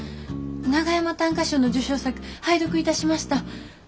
長山短歌賞の受賞作拝読いたしました。